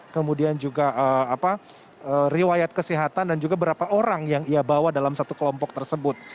kemudian juga riwayat kesehatan dan juga berapa orang yang ia bawa dalam satu kelompok tersebut